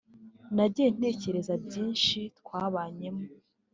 nagiye ntekereza byishi twabanyemo